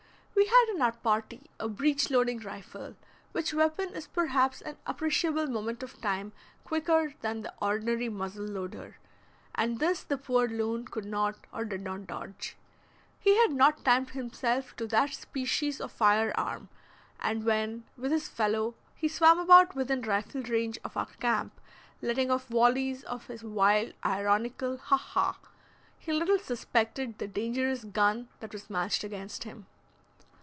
We had in our party a breach loading rifle, which weapon is perhaps an appreciable moment of time quicker than the ordinary muzzleloader, and this the poor loon could not or did not dodge. He had not timed himself to that species of fire arm, and when, with his fellow, he swam about within rifle range of our camp, letting off volleys of his wild ironical ha ha, he little suspected the dangerous gun that was matched against him.